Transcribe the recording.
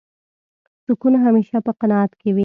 سکون همېشه په قناعت کې وي.